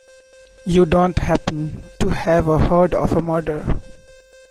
You don't happen to have heard of a murder?